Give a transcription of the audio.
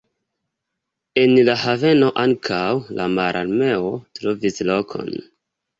En la haveno ankaŭ la Mararmeo trovis lokon.